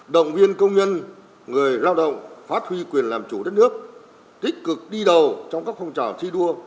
động viên công nhân người lao động phát huy quyền làm chủ đất nước tích cực đi đầu trong các phong trào thi đua